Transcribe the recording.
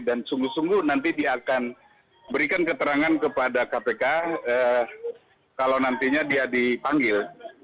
dan sungguh sungguh nanti dia akan berikan keterangan kepada kpk kalau nantinya dia dipanggil